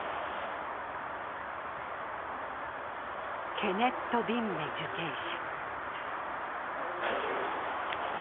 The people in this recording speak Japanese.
ケネット・ビンメ受刑者。